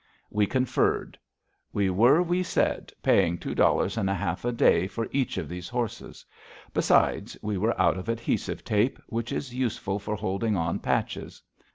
We conferred. We were, we said, paying two dollars and a half a day for each of those horses. Besides, we were out of adhesive tape, which is useful for holding on patches.